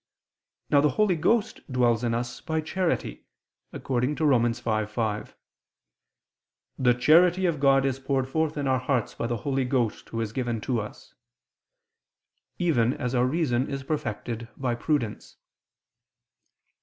Now the Holy Ghost dwells in us by charity, according to Rom. 5:5: "The charity of God is poured forth in our hearts by the Holy Ghost, Who is given to us," even as our reason is perfected by prudence.